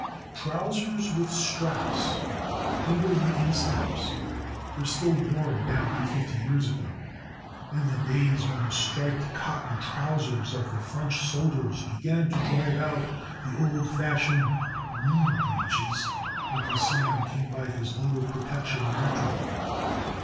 Trousers with straps under the insteps were still worn down to fifty years ago. In the days when the striped cotton trousers of the French soldiers began to drive out the old fashioned knee breeches, Uncle Sam came by his lower protection naturally.